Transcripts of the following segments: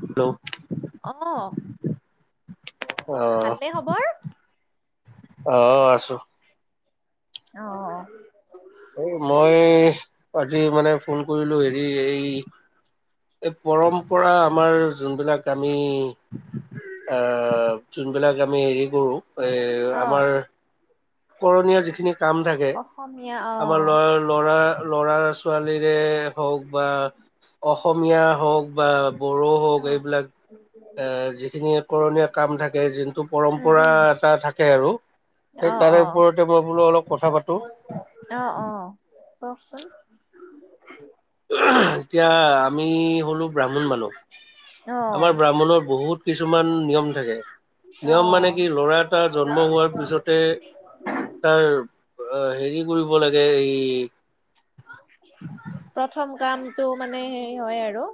Hello অ ভালনে অ খবৰ? অ আছো। অ অ এই মই আজি মানে ফোন কৰিলো হেৰি এই এই পৰম্পৰা আমাৰ যোনবিলাক আমি অ যোনবিলাক আমি হেৰি কৰোঁ এ অ', আমাৰ কৰনিয় যিখিনি কাম থাকে অসমীয়া আমাৰ অ', ল ল'ৰা ল'ৰা ছোৱালীৰে হওক বা অসমীয়া হওক বা বড়ো হওক অ', এইবিলাক এ' যিখিনি কৰণীয় কাম থাকে, যোনটো উম, পৰম্পৰা উম, এটা থাকে আৰু। সেই অ', তাৰে অ', ওপৰতে মই বোলো অলপ কথা পাতো। অ' অ' কওকচোন? এতিয়া আমি হ'লো ব্ৰাহ্মণ মানুহ। আমাৰ অ', ব্ৰাহ্মণৰ বহুত কিছুমান নিয়ম থাকে। নিয়ম মানে অ', কি ল'ৰা এটা জন্ম হোৱাৰ পিছতে তাৰ। অ' হেৰি কৰিব লাগে এই। প্ৰথম কামটো মানে সেই হয় আৰু।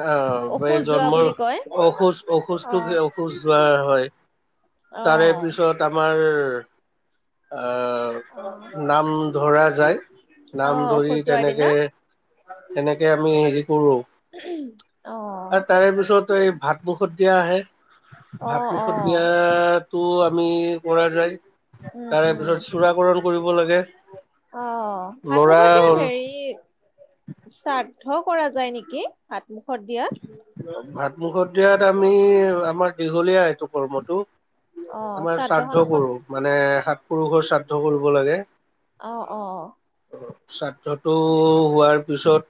আহ ঔষধ এই যোৱা বুলি জন্মৰ কয়। অসুজ অসুজটো অ', কি অসুজ যোৱা হয়। অঁ। তামাৰ। অহ, নাম ধৰা যায় নাম অ', ঔষধ ধৰি যোৱাৰ দিনা তেনেকে। তেনেকে আমি হেৰি কৰো। উম। আৰু তাৰে পিছত এই ভাত মুখত দিয়া আহে, অ', ভাত মুখত অ', দিয়াত। টো আমি কৰা যায়, উম, তাৰে উম, পিছত চূড়াকণ কৰিব লাগে। অ' ভাত লৰা মুখৰ দিয়াত হ'ল হেৰি। শ্ৰাদ্ধ কৰা যায় নেকি, ভাত মুখত দিয়াত। ভাত মুখত দিয়াত আমি আমাৰ দীঘলীয়া এইটো কৰ্মটো। অ', আমাৰ শ্ৰাদ্ধখন শ্ৰাদ্ধ অকণ পৰুষ মানে, সাত পুৰুষৰ শ্ৰাদ্ধ কৰিব লাগে। অ' অ' অ''। শ্ৰাদ্ধটো হোৱাৰ পিছত।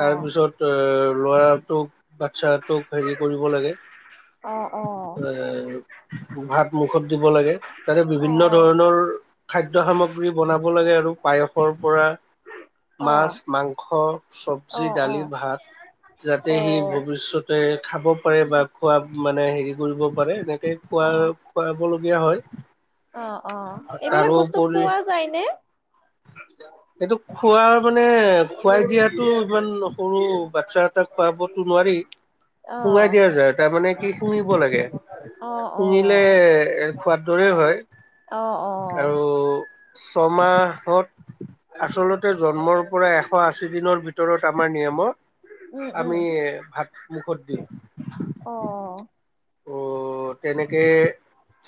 তাৰ পিছত, এ' লৰাটোক বাচ্ছাটোক হেৰি কৰিব লাগে। অঁ অঁ। এ' ভাত মুখত দিব লাগে, তাতে বিভিন্ন ধৰণৰ। খাদ্য সামগ্ৰী বনাব লাগে আৰু। পায়সৰ পৰা, মাছ মাংস চব্জি দালি অ', ভাত। যাতে সি ভৱিষ্যতে খাব পাৰে, বা খোৱাত মানে হেৰি। কৰিব পাৰে, এনেকে খুৱ - খুৱাবলগীয়া হয়। অ' অ' এইবিলাক বস্তু তাৰোপৰি খোৱা যায় নে? [unintelligible] সেইটো খোৱা মানে খুৱাই দিয়াতো ইমান সৰু বাচ্ছা এটা খোৱাবতো নোৱাৰি। অ', সুঙাই দিয়া যায়, তাৰমানানে কি সুঙিব লাগে অ', অ', শুঙিলে খোৱাত। দৰে হয় অ', অ', আৰু ছমাহ। আচলতে জন্মৰ পৰা এশ আশী দিনৰ ভিতৰত আমাৰ নিয়মত। উম, উম, আমি ভাত মুখত দিওঁ। অঁ অঁ। অঁ। ত' তেনেকে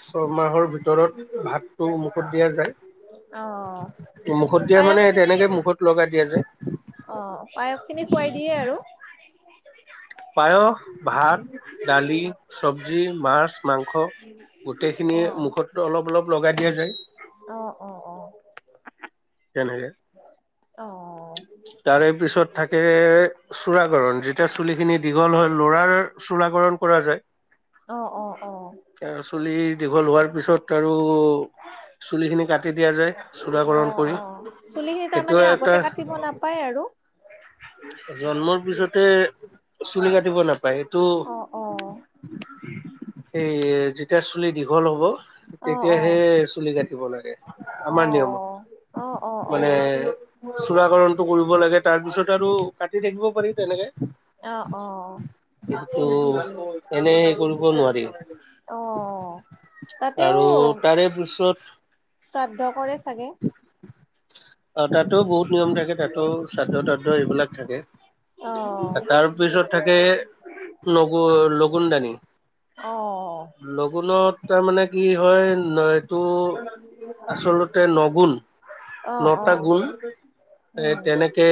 ছয়মাহৰ ভিতৰত ভাতটোমুখত দিয়া যায়। অ'। মুখত দিয়া মানে পায়স খিনি তেনেকে মুখত লগাই দিয়া যে অ' পায়স খিনি খুৱাই দিয়ে আৰু। পায়স ভাত, দালি, চব্জি, মাছ। মাংস, গোটেইখিনিয়ে অ', মুখত অলপ- অলপ লগাই দিয়া যায়। অ', অ', অ', তেনেকে অ'। তাৰে পিছত থাকে চূড়াকৰণ যেতিয়া চুলিখিনি দীঘল হয় লৰাৰ চূড়াকৰণ কৰা যায়। অঁ অঁ অঁ। এ চুলি দীঘল হোৱাৰ পিছত আৰু চুলি খিনি কাটি দিয়া যায় অ', চূড়াকৰণ অ', কৰি অ', এইটো এটা পাই আৰু। জন্মৰ পিছতে চুলি কাটিব নাপায় সেইটো অ', অ', সেইয়ে যেতিয়া চুলি দীঘল হব অ', অ', অ', তেতিয়াহে চুলি কাটিব লাগে আমাৰ নিয়মত। অ', অ', মানে অ'। চূড়াকৰণটো কৰিব লাগে তাৰপিছত আৰু কাটি থাকিব পাৰি তেনেকে। অ', অ', তাকে কিন্তু এনে কৰিব নোৱাৰি। অঁ। আৰু তাৰেপিছত শ্ৰাদ্ধ কৰে চাগে? অ' তাতো বহুত নিয়ম থাকে তাতো শ্ৰাদ্ধ তাদ্ধ এইবিলাক থাকে। অ', তাৰ পিছত থাকে নগ লগুন দানি। অহ। লগুণত তাৰ মানে কি হয় ন এইটো আচলতে নগুণ অ', নটা অ', গুন এ উম, তেনেকে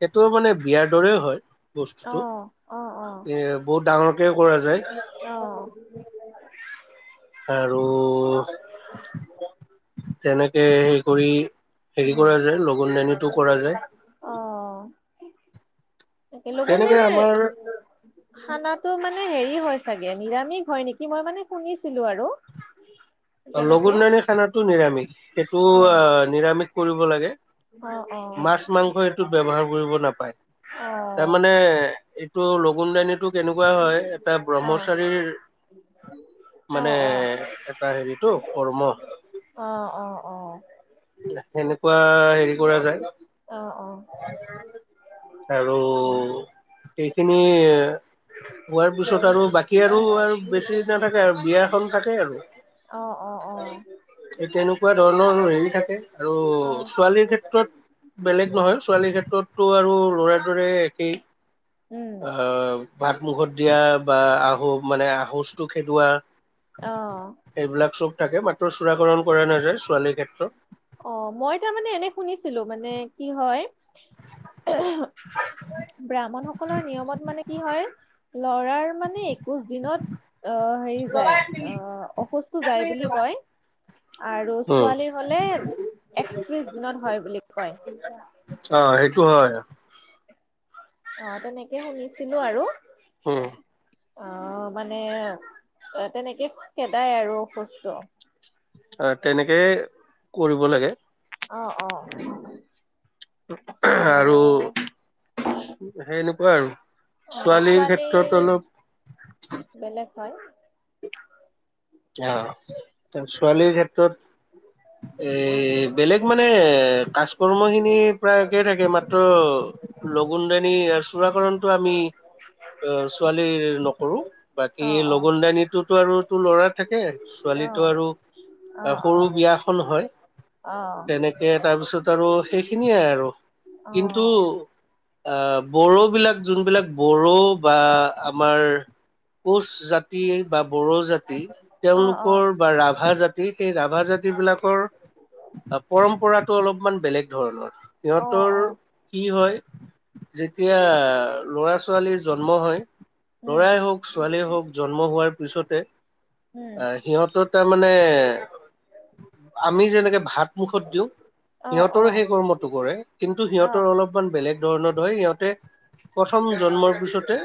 সেইটো মানে বিয়াৰ দৰে হয় বস্তুটো, অ', অ', অ', এ বহুত ডাঙৰকে কৰা যায়। অ'। আৰু তেনেকে সেই কৰি হেৰি উম, কৰা যায় লগুনদানিটো কৰা যায়। অ'। তাকে তেনেকে লগুনদানি আমাৰ খানাটো মানে হেৰি হয় চাগে নিৰামিষ হয় নেকি? মই মানে শুনিছিলো আৰু। [inaudible] তেনেকে লগুনদানি খানাটো নিৰামিষ সেইটো অ' নিৰামিষ কৰিব লাগে। অ', অ'। মাছ মাংস এইটো ব্যৱহাৰ কৰিব নাপায় তাৰ মানে এইটো লগুণ দানীটো কেনেকুৱা হয় এটা অ', অ', ব্ৰহ্মচাৰীৰ মানে অ', অ', অ', এটা হেৰিটো কৰ্ম। অ', অ', অ'। সেনেকুৱা হেৰি কৰা যায়। অ', অ'। আৰু এইখিনি হোৱাৰ পিছত আৰু বাকী আৰু আৰু বেছি নাথাকে আৰু বিয়াখন থাকে আৰু। অ', অ', এই তেনেকুৱা ধৰণৰ হেৰি থাকে আৰু অ', ছোৱালীৰ ক্ষেত্ৰত বেলেগ নহয় ছোৱালীৰ ক্ষেত্ৰতটো আৰু লৰা দৰে একেই। উম, আহ ভাত মুখত দিয়া বা আহ মানে আহোচটো খেদোৱা। অ। এইবিলাক চব থাকে মাত্ৰ চূড়াকৰণ কৰা নাযায় ছোৱালীৰ ক্ষেত্ৰত। অ মই তাৰমানে এনে শুনিছিলো মানে কি হয় ব্ৰাহ্মণ সকলৰ নিয়মত মানে কি হয় ল'ৰাৰ মানে একৈশ দিনত অ হেৰি যায় অ অসুচটো যায় বুলি কয় আৰু উম ছোৱালীৰ হলে একত্ৰিশ দিনত হয় বুলি কয় অ সেইটো হয় অহ তেনেকে শুনিছিলো আৰু উম অ মানে তেনেকে খেদাই আৰু সুচটো অ তেনেকেই কৰিব লাগে অ অ এহ আৰু সেনেকুৱা আৰু। ছোৱালীৰ ক্ষেত্ৰত অলপ বেলেগ হয়। [unintelligible] অ' ছোৱালীৰ ক্ষেত্ৰত [unintelligible] এ উম বেলেগ মানে কাজ কৰ্ম খিনি প্ৰায়ে থাকে তাত ত লগুন দে আমি চূড়াকৰণটো আমি ছোৱালীৰ নকৰো বাকী অ অ লগুন দানিটোতো আৰু তোৰ ল'ৰা থাকে অ ছোৱালীটো আৰু অ সৰু বিয়া হয় অ তেনেকে তাৰপিছত আৰু সেইখিনিয়ে আৰু অ কিন্তু অ হয় আহ বড়ো বিলাক যোনবিলাক বড়ো বা আমাৰ কোচ জাতি বা বড়ো জাতি অ', তেওঁলোকৰ অ', বা ৰাভা জাতি সেই ৰাভা জাতি বিলাকৰ পৰম্পৰাটো অলপমান বেলেগ ধৰণৰ অ', সিহঁতৰ অ', কি হয় যেতিয়া লৰা ছোৱালীৰ জন্ম হয় উম, লৰাই হওক ছোৱালীয়ে হওক জন্ম হোৱাৰ পিছতে উম, অ সিহঁতৰ তাৰমানে আমি যেনেকে ভাত মুখত দিওঁ অ', সিহঁতৰে অ', সেই কৰ্মটো কৰে কিন্তু সিহঁতৰ অলপ বেলেগ ধৰণত হয় সিহঁতে প্ৰথম জন্মৰ পিছতে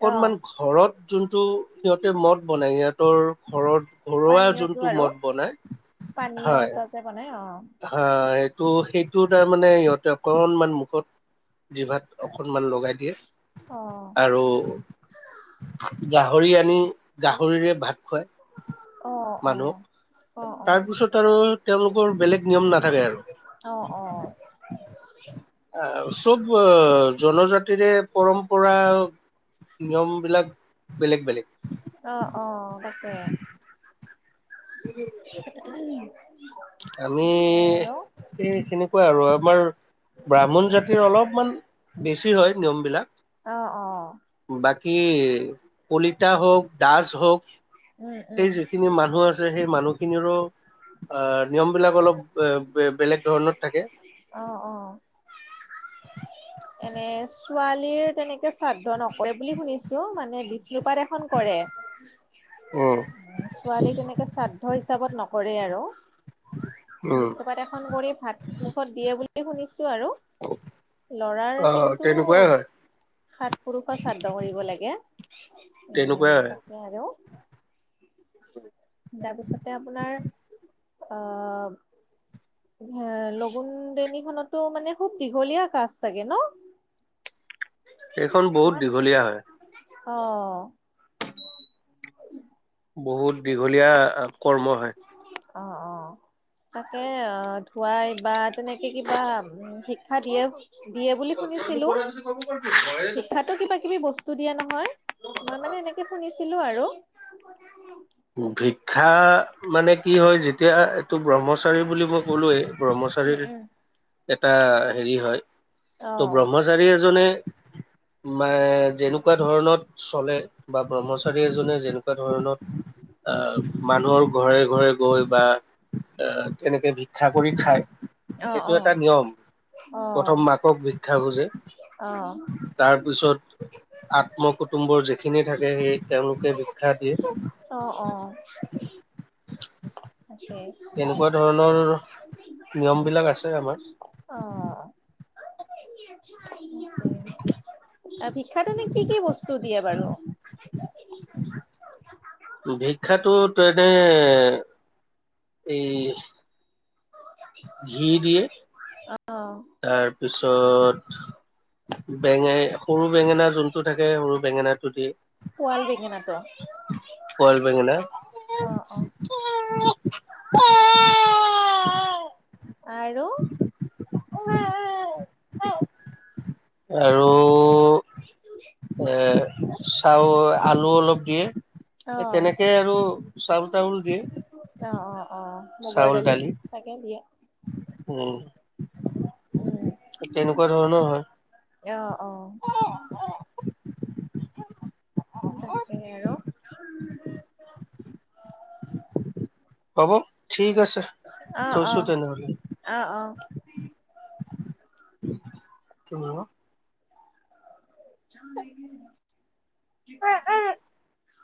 অ', ঘৰত যোনটো সিহঁতে মদ বনাই সিহঁতৰ ঘৰত ঘৰুৱা পানীয়টো যোনটো আৰু মদ বনাই পানীয় হয় ত যে বনাই অ হা সেইটো সেইটো তাৰমানে সিহঁতে অকনমান মুখত জিভাত অকণমান লগাই দিয়ে অ', আৰু গাহৰি আনি গাহৰিৰে ভাত খুৱায় অ অ তাৰপিছত আৰু তেওঁলোকৰ বেলেগ নিয়ম নাথাকে আৰু অ অ অহ চব অ জনজাতিৰে পৰম্পৰা নিয়ম বিলাক বেলেগ বেলেগ অ অ তাকে ওম আমি এই সেনেকুৱা আৰু আমাৰ ব্ৰাহ্মণ জাতিৰ অলপমান বেছি হয় নিয়মবিলাক অ অ বাকী কলিতা হওক দাস হওক উম, উম, সেই যিখিনি মানুহ আছে সেই মানুহখিনিৰো আহ নিয়ম বিলাক অলপ বে-বে-বেলেগ ধৰণত থাকে। অ অ এনে ছোৱালীৰ তেনেকে শ্ৰাদ্ধ নকৰে বুলি শুনিছো মানে বিষ্ণুপাত এখন কৰে। [inaudible] উম ছোৱালী তেনেকে শ্ৰাদ্ধ হিচাপত নকৰে আৰু। উম বিষ্ণুপাথ এখন কৰি ভাত মুখত দিয়ে বুলি শুনিছো আৰু। লৰাৰ অ কিন্তু তেনেকুৱাই হয় সাত পুৰুষৰ শ্ৰাদ্ধ কৰিব লাগে। উম তেনেকুৱাই হয় [unintelligible] আৰু তাৰপিছতে আপোনাৰ অ এ লগুন দেনিখনতো মানে খুব দীঘলীয়া কাজ চাগে ন? এইখন বহুত দীঘলীয়া হয়। অ বহুত দীঘলীয়া কৰ্ম হয়। অ অ তাকে অ ধুৱাই বা তেনেকে কিবা শিক্ষা দিয়ে দিয়ে বুলি শুনিছিলো শিক্ষাতো কিবা কিবি বস টো দিয়ে নহয় মই মানে এনেকে শুনিছিলো আৰু। ভিক্ষা মানে কি হয় যেতিয়া এইটো ব্ৰহ্মচাৰী বুলি মই ক'লোৱেই উম ব্ৰহ্মচাৰীৰ উম এটা হেৰি হয় অ ত' ব্ৰহ্মচাৰী এজনে ম যেনেকুৱা ধৰণত চলে বা ব্ৰহ্মচাৰী এজনে যেনেকুৱা ধৰণত আহ মানুহৰ ঘৰে ঘৰে গৈ বা আহ তেনেকে ভিক্ষা কৰি খায়। অ সেইটো এটা নিয়ম প্ৰথম মাকক ভিক্ষা খুজে। অহ আত্ম কুটুম্বৰ যিখিনি থাকে সেই তেওঁলোকে ভিক্ষা দিয়ে। অ অ আছে এনেকুৱা ধৰণৰ নিয়মবিলাক আছে আমাৰ। অ উ ভিক্ষাত এনে কি কি বস্তু দিয়ে বাৰু। ভিক্ষাটোত এনে এই ঘি দিয়ে। অ তাৰপিছত বেঙাই সৰু বেঙেনা যোনটো থাকে সৰু বেঙেনাটো দিয়ে। পোৱাল বেঙেনাটো বইল বেঙেনা অ অ। [unintelligible] আৰু [unintelligible] আৰু [unintelligible] এ চাউ আলু অলপ দিয়ে। এ অ', তেনেকে আৰু চাউল তাউল দিয়ে। অ', অ' অ' মগৰ দালি চাগে দিয়ে। উম। উম তেনেকুৱা ধৰণৰ হয়। য় অ'। [unintelligible] উম তাকেহে আৰ'। হ'ব, ঠিক আছে অ', থৈছো অ', তেনেহ'লে। অ', অ'। কিমাব। [unintelligible] যে। [unintelligible]